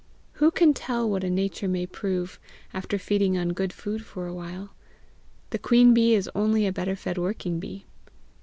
Who can tell what a nature may prove, after feeding on good food for a while? The queen bee is only a better fed working bee.